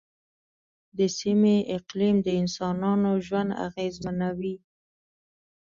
د سیمې اقلیم د انسانانو ژوند اغېزمنوي.